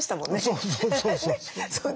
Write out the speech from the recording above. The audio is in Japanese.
そうそうそうそう。